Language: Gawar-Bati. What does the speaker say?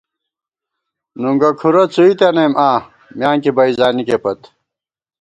نُنگُہ کُھرَہ څُوئی تنَئیم آں، میانکی بئ زانِکے پت